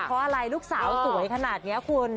เพราะอะไรลูกสาวสวยขนาดนี้คุณ